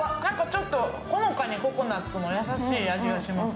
ちょっとほのかにココナッツの優しい味がします。